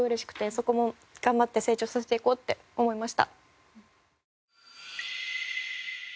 そこも頑張って成長させていこうって思いました。